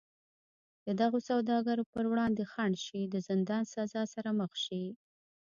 د دغو سوداګرو پر وړاندې خنډ شي د زندان سزا سره مخ شي.